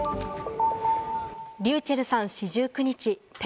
ｒｙｕｃｈｅｌｌさん、四十九日。